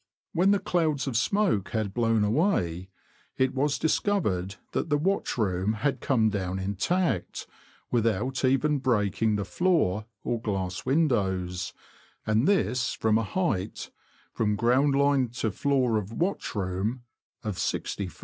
When the clouds of smoke had blown away, it was discovered that the watch room had come down intact, without even breaking the floor or glass windows, and this from a height, from ground line to floor of watch room, of 6oft. !